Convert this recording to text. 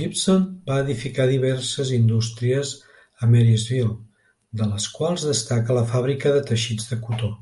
Gibson va edificar diverses indústries a Marysville, de les quals destaca la fàbrica de teixits de cotó.